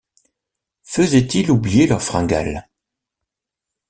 faisait-il oublier leur fringale.